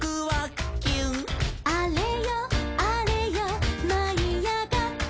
「あれよあれよまいあがったよ」